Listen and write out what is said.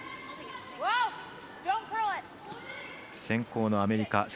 先攻のアメリカ。